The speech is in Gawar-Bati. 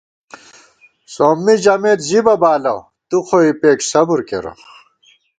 سومّی ژَمېت ژِبہ بالہ تُو خو اِپېک صبر کېرَہ